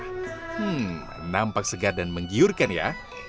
hmm nampak segar dan menggiurkan ya